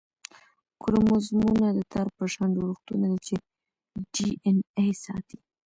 کروموزومونه د تار په شان جوړښتونه دي چې ډي این اې ساتي